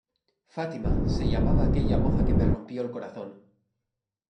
Fátima, se llamaba aquella moza que me rompió el corazón.